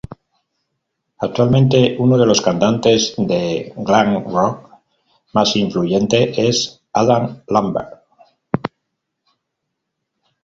Actualmente, uno de los cantantes de "glam rock" más influyentes es Adam Lambert.